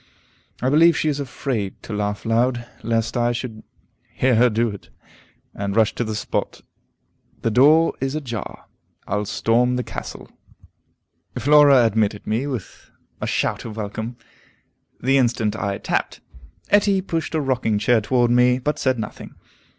I believe she is afraid to laugh loud, lest I should hear her do it, and rush to the spot. The door is ajar; I'll storm the castle. Flora admitted me with a shout of welcome, the instant I tapped. Etty pushed a rocking chair toward me, but said nothing.